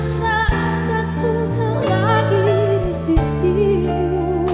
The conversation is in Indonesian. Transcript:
saat takut tak lagi di sisimu